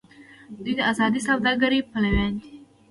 دوی د ازادې سوداګرۍ پلویان دي.